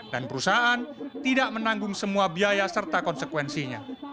dan perusahaan tidak menanggung semua biaya serta konsekuensinya